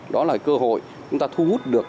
đó là cơ hội chúng ta thu hút được